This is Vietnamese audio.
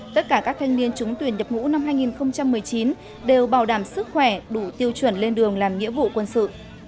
tất cả các thanh niên trúng tuyển nhập ngũ năm hai nghìn một mươi chín đều bảo đảm sức khỏe đủ tiêu chuẩn lên đường làm nghĩa vụ quân sự